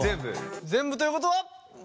全部ということは！？